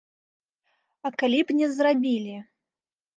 А калі б не зрабілі?